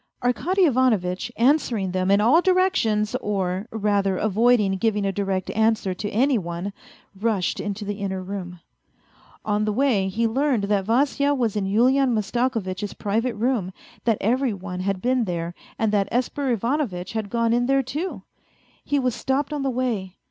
Arkady Ivanovitch, answering them in all directions, or rather avoiding giving a direct answer to any one, rushed into the inner room. On the way he learned that Vasya was in Yulian Mastakovitch's private room, that every one had been there and that Esper Ivanovitch had gone in there too. He was stopped on the way.